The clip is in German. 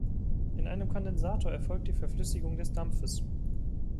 In einem Kondensator erfolgt die Verflüssigung des Dampfes.